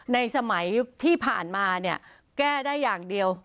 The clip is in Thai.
ในสมัยที่ผ่านมาเนี่ยแก้ได้อย่างเดียว